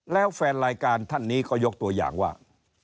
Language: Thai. แล้วแฟนรายการท่านนี้ก็ยกตัวอย่างว่า